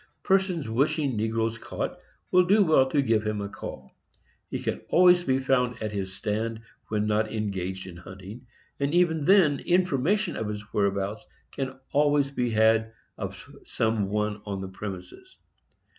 Persons wishing negroes caught will do well to give him a call. He can always be found at his stand when not engaged in hunting, and even then information of his whereabouts can always be had of some one on the premises.